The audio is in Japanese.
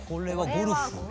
ゴルフ